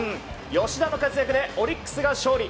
吉田の活躍でオリックスが勝利。